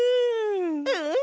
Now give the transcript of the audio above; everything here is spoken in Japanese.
うん！